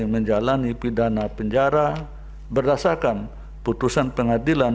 menjalani pidana penjara berdasarkan putusan pengadilan